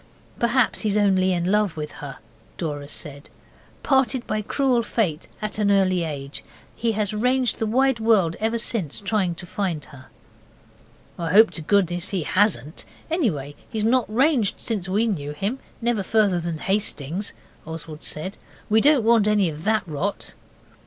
'Perhaps he's only in love with her,' Dora said, 'parted by cruel Fate at an early age, he has ranged the wide world ever since trying to find her.' 'I hope to goodness he hasn't anyway, he's not ranged since we knew him never further than Hastings,' Oswald said. 'We don't want any of that rot.